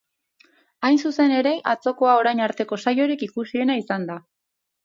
Hain zuzen ere, atzokoa orain arteko saiorik ikusiena izan da.